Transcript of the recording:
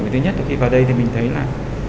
thứ nhất là khi vào đây thì mình thấy là